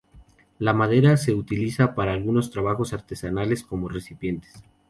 La madera se utiliza para algunos trabajos artesanales como recipientes.